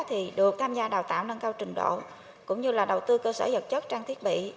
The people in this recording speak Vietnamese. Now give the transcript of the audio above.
thì được tham gia đào tạo nâng cao trình độ cũng như là đầu tư cơ sở vật chất trang thiết bị